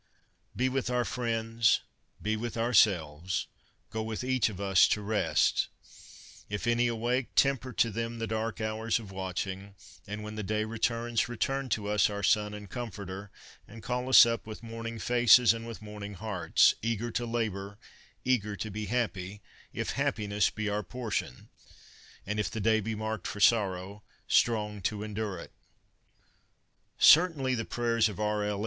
S. ' Be with our friends, be with ourselves. Go with each of us to rest. If any awake, temper to them the dark hours of watching ; and when the day returns, return to us our sun and comforter, and call us up with morning faces and with morning hearts — eager to labour : eager to be happy, if happiness be our portion ; and if the day be marked for sorrow, strong to endure it.' Certainly the prayers of R. L.